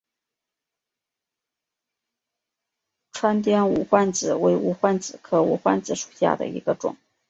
川滇无患子为无患子科无患子属下的一个种。